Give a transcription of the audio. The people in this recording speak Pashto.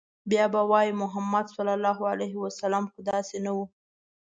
بيا به وايي، محمد ص خو داسې نه و